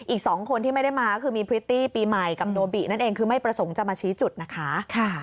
อีก๒คนที่ไม่ได้มาก็คือมีพริตตี้ปีใหม่กับโนบินั่นเองคือไม่ประสงค์จะมาชี้จุดนะคะ